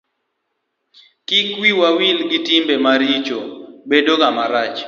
kik wiwa wil ni timbe maricho bedo ga marach